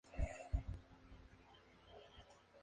El hermano Juan realizó los diseños paralelamente.